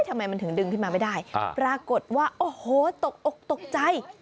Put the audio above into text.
ทำไมมันถึงดึงขึ้นมาไม่ได้ปรากฏว่าโอ้โหตกอกตกใจ